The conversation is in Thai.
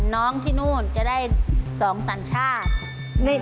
น้องที่โน่นจะได้๒ต่างชาติ